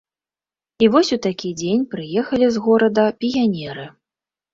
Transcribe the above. І вось у такі дзень прыехалі з горада піянеры.